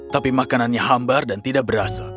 tapi makanannya hambar dan tidak berasa